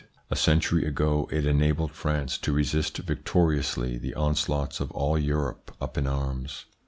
A century ago it enabled France to resist victoriously the onslaughts of all Europe up in arms.